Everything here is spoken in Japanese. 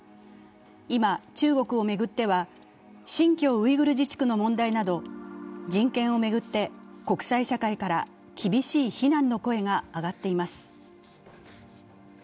今、中国を巡っては、新疆ウイグル自治区の問題など人権を巡って国際社会から厳しい非難の声が上がっています。